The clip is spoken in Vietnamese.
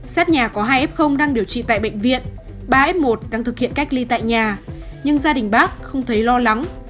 xét nhà có hai f đang điều trị tại bệnh viện ba f một đang thực hiện cách ly tại nhà nhưng gia đình bác không thấy lo lắng